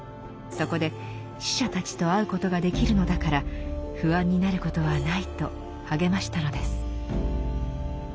そこで死者たちと会うことができるのだから不安になることはないと励ましたのです。